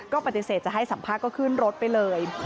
ก็ปฏิเสธจะให้สัมภาษณ์ก็ขึ้นรถไปเลย